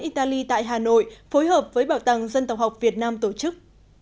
italy tại hà nội phối hợp với bảo tàng dân tộc học việt nam tổ chức